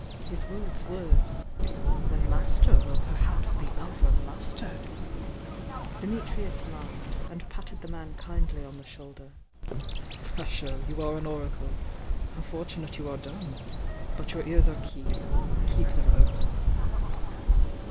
His words were: "The Master will perhaps be over mastered I" Dimitrius laughed, and patted the man kindly on the shoulder. "Vasho, you are an oracle! How fortunate you are dumb! But your ears are keen, — keep them open!"